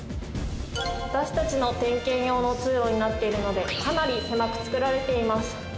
私達の点検用の通路になっているのでかなり狭く造られています